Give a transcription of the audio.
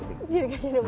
jadi kena candu politik